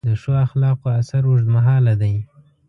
د ښو اخلاقو اثر اوږدمهاله دی.